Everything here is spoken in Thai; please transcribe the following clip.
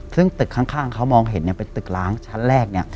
ซึ่งตึกข้างเขามองเห็นเป็นตึกล้างชั้นแรก